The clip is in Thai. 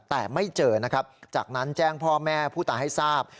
แต่ไม่เจอนะครับจากนั้นแจ้งพ่อแม่ผู้ตายให้ทราบ